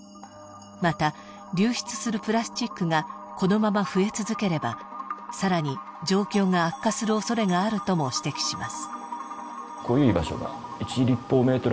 また流出するプラスチックがこのまま増え続ければさらに状況が悪化する恐れがあるとも指摘します。